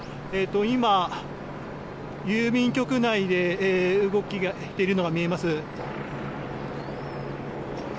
今、郵便局内で動きがあるのが見えます。